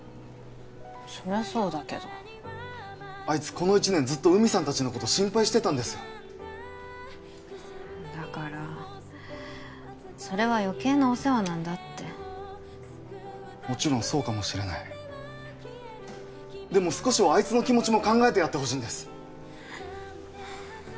そりゃそうだけどあいつこの１年ずっと海さん達のこと心配してたんですよだからそれは余計なお世話なんだってもちろんそうかもしれないでも少しはあいつの気持ちも考えてやってほしいんです